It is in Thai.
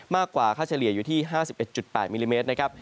กว่าค่าเฉลี่ยอยู่ที่๕๑๘มิลลิเมตรนะครับ